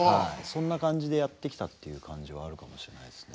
そんな感じでやってきたっていう感じはあるかもしれないですね。